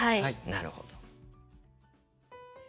なるほど。